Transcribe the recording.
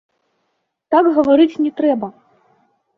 Так гаварыць не трэба!